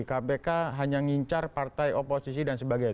kpk hanya ngincar partai oposisi dan sebagainya